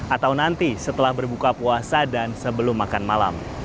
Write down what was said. atau nanti setelah berbuka puasa dan sebelum makan malam